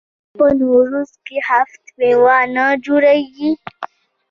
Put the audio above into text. آیا په نوروز کې هفت میوه نه جوړیږي؟